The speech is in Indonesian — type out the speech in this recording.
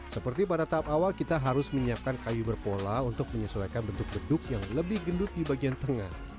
seperti pada tahap awal kita harus menyiapkan kayu berpola untuk menyesuaikan bentuk beduk yang lebih gendut di bagian tengah